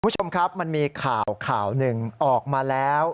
คุณผู้ชมครับมันมีข่าวข่าวหนึ่งออกมาแล้ว